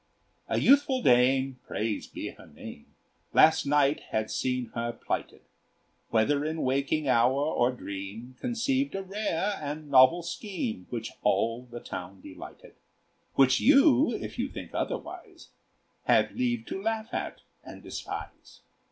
A youthful dame, praised be her name! Last night had seen her plighted, Whether in waking hour or dream, Conceived a rare and novel scheme, Which all the town delighted; Which you, if you think otherwise, Have leave to laugh at and despise.